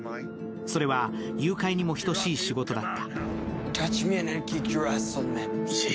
それは誘拐にも等しい仕事だった。